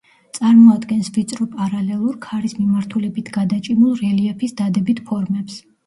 წარმოადგენს ვიწრო პარალელურ, ქარის მიმართულებით გადაჭიმულ რელიეფის დადებით ფორმებს.